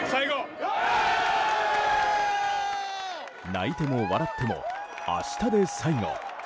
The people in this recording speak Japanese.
泣いても笑っても明日で最後。